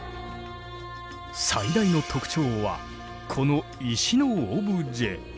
最大の特徴はこの石のオブジェ。